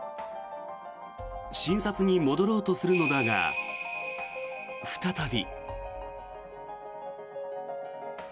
診察に戻ろうとするのだが再び。